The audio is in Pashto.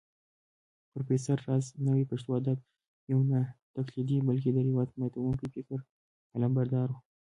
پروفېسر راز نوې پښتو ادب يو ناتقليدي بلکې د روايت ماتونکي فکر علمبردار و